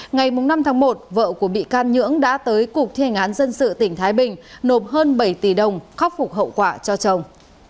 ngày năm tháng một vợ của bị can nhưỡng đã tới cục thi hành án dân sự tỉnh thái bình nộp hơn bảy tỷ đồng khắc phục hậu quả cho chồng